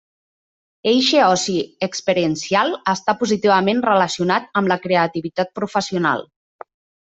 Eixe oci experiencial està positivament relacionat amb la creativitat professional.